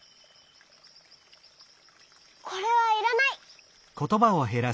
これはいらない。